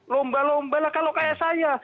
lomba lomba lah kalau kayak saya